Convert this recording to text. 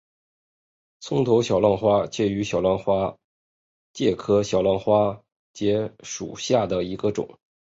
葱头小浪花介为小浪花介科小浪花介属下的一个种。